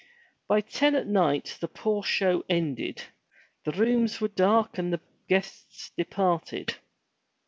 By ten at night the poor show ended, the rooms were dark and the guests departed.